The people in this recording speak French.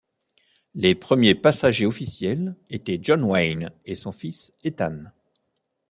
Les premiers passagers officiels étaient John Wayne et son fils Ethan.